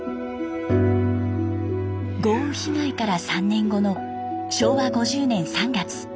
豪雨被害から３年後の昭和５０年３月。